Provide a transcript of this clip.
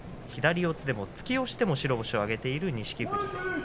突き押しでも白星を挙げている錦富士です。